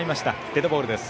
デッドボールです。